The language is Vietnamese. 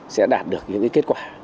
sẽ đạt được những kết quả